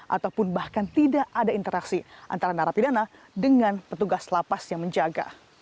ataupun bahkan tidak ada interaksi antara narapidana dengan petugas lapas yang menjaga